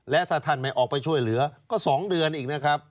และถ้าท่านไม่ออกไปช่วยเหลือก็๒เดือนอีกนะครับ